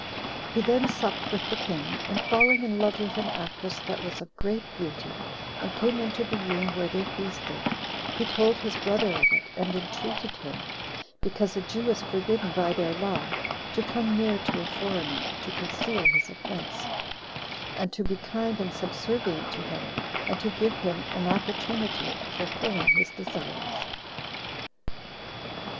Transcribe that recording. He then supped with the king, and falling in love with an actress that was of great beauty, and came into the room where they feasted, he told his brother of it, and entreated him, because a Jew is forbidden by their law to come near to a foreigner, to conceal his offense; and to be kind and subservient to him, and to give him an opportunity of fulfilling his desires.